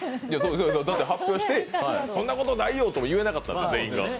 だって、発表して、そんなことないよ！とも言えなかったの、全員が。